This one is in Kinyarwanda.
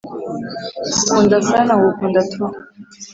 ngukunda sana ngukunda trop